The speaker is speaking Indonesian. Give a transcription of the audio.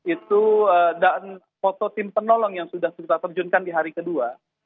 itu dan foto tim penolong yang sudah kita terjunkan di hari kedua